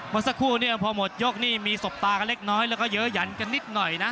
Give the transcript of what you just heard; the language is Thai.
เมื่อสักครู่เนี่ยพอหมดยกนี่มีสบตากันเล็กน้อยแล้วก็เยอะหยันกันนิดหน่อยนะ